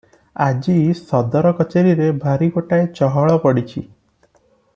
ଆଜି ସଦର କଚେରିରେ ଭାରି ଗୋଟାଏ ଚହଳ ପଡିଛି ।